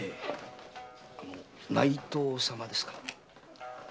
内藤様ですか？